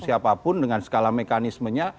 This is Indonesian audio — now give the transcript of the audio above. siapapun dengan skala mekanismenya